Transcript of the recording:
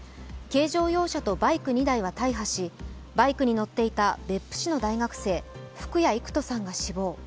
軽乗用車とバイク２台は大破し、バイクに乗っていた別府市の大学生福谷郁登さんが死亡。